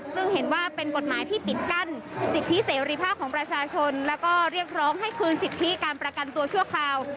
ซึ่งเห็นว่าเป็นกฎหมายที่ปิดกั้นสิทธิเสรีภาพของประชาชนแล้วก็เรียกร้องให้คืนสิทธิการประกันตัวชั่วคราว